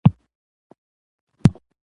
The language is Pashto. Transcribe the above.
بسمينه د خپل مکتب سره ډيره مينه لري 🏫